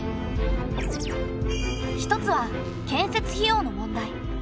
一つは建設費用の問題。